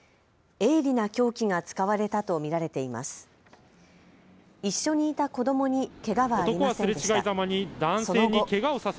鋭利な凶器が使われたと見られています。